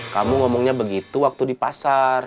kamu ngomongnya begitu waktu di pasar